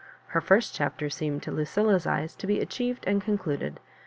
Her first chapter seemed to Lucilla's eyes to be achieved and concluded.